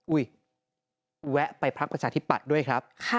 อุ้ยแวะไปภักดิ์ประชาธิบัติด้วยครับ